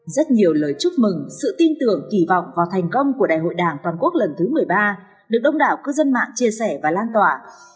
rất nhiều lời chúc mừng sự tin tưởng kỳ vọng vào thành công của đại hội đảng toàn quốc lần thứ một mươi ba được đông đảo cư dân mạng chia sẻ và lan tỏa